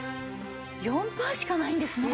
４パーしかないんですね？